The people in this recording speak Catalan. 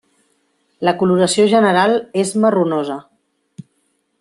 La coloració general és marronosa.